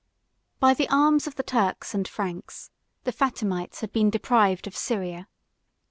By the arms of the Turks and Franks, the Fatimites had been deprived of Syria.